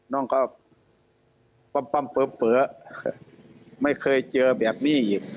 น้องก็ปำปำเป๋อไม่เคยเจอแบบนี้อีก